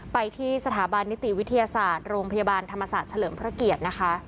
ไปที่สถาบันนิติวิทยาศาสตร์โรงพยาบาลธรรมศาสตร์เฉลิมพระเกียรตินะคะ